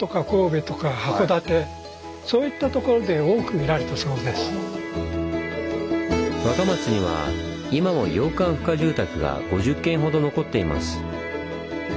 いわゆる若松には今も洋館付加住宅が５０軒ほど残っています。